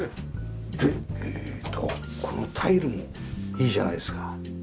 えっとこのタイルもいいじゃないですか。